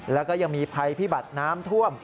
แล้วก็ยังมีภัยพิบัติน้ำท่วม